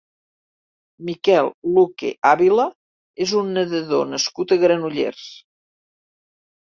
Miguel Luque Avila és un nedador nascut a Granollers.